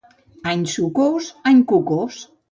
Any sucós, any cucós.